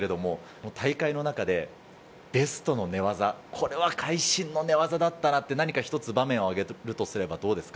大会の中でベストの寝技、これは会心の寝技だったなって一つ、場面を挙げるとすればどうですか？